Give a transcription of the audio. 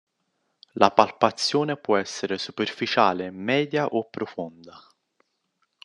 La palpazione può essere superficiale, media o profonda.